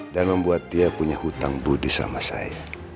dan membuat dia punya hutang budi sama saya